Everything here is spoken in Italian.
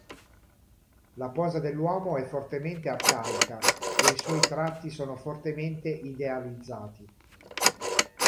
La posa dell'uomo è fortemente arcaica e i suoi tratti sono fortemente idealizzati.